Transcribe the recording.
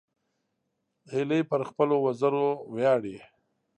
هیلۍ پر خپلو وزرو ویاړي